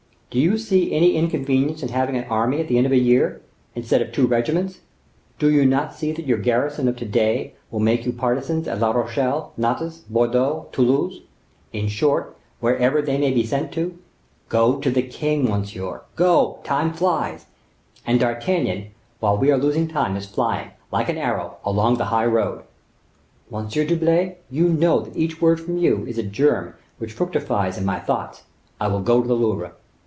Do you see any inconvenience in having an army at the end of a year, instead of two regiments? Do you not see that your garrison of to day will make you partisans at La Rochelle, Nantes, Bordeaux, Toulouse—in short, wherever they may be sent to? Go to the king, monsieur; go; time flies, and D'Artagnan, while we are losing time, is flying, like an arrow, along the high road." "Monsieur d'Herblay, you know that each word from you is a germ which fructifies in my thoughts. I will go to the Louvre."